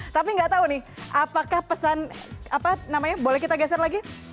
tapi nggak tahu nih apakah pesan apa namanya boleh kita geser lagi